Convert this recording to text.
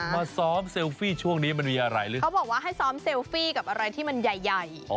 มาซ้อมเซลฟี่ช่วงนี้มันมีอะไรหรือเปล่าเขาบอกว่าให้ซ้อมเซลฟี่กับอะไรที่มันใหญ่ใหญ่